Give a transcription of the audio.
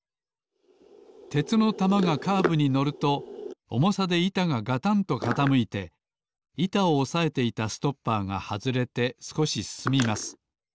鉄の玉がカーブにのるとおもさでいたががたんとかたむいていたをおさえていたストッパーがはずれてすこしすすみます。